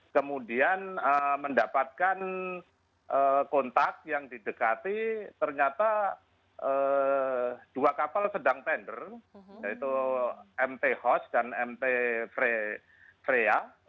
kemudian mendapatkan kontak yang didekati ternyata dua kapal sedang tender yaitu mt hos dan mt frea